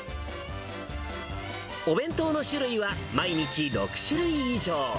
お弁当の種類は毎日６種類以上。